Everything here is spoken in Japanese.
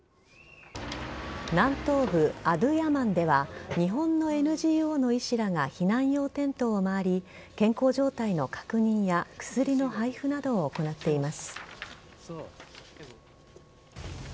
南東部・アドゥヤマンでは日本のＮＧＯの医師らが避難用テントを回り健康状態の確認や薬の配布などを行っています。